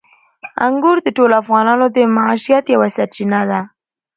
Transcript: انګور د ټولو افغانانو د معیشت یوه سرچینه ده.